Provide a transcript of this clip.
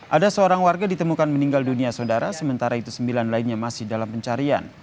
ada seorang warga ditemukan meninggal dunia saudara sementara itu sembilan lainnya masih dalam pencarian